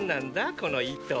この糸。